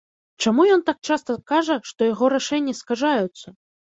Чаму ён так часта кажа, што яго рашэнні скажаюцца?